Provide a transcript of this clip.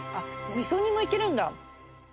味噌煮もいけるんだ。